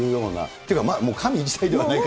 っていうか、神自体ではないか。